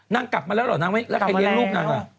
กลับมาแล้วเหรอนางแล้วใครเลี้ยงลูกนางล่ะ